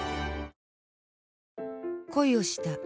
恋をした。